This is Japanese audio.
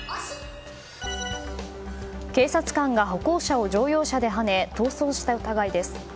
警察官が歩行者を乗用車ではね逃走した疑いです。